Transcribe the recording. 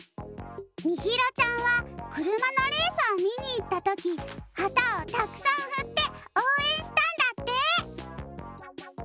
みひろちゃんはくるまのレースをみにいったときはたをたくさんふっておうえんしたんだって。